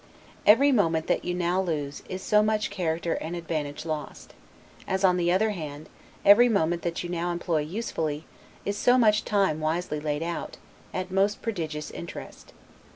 Every moment that you now lose, is so much character and advantage lost; as, on the other hand, every moment that you now employ usefully, is so much time wisely laid out, at most prodigious interest.